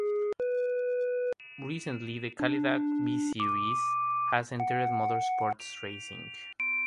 Recently, the Cadillac V-Series has entered motorsports racing.